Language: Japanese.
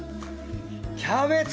キャベツ！